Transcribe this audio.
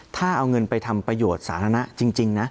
ถ้าเอาเงินไปทำประโยชน์สาธารณะจริงนะ